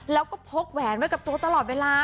แล้วก็พกแหวนไว้กับตัวตลอดเวลา